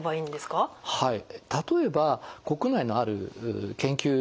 はい。